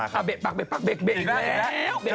อ้าวเบ๊กอีกแล้วเบ๊กอีกแล้วเบ๊กอีกแล้ว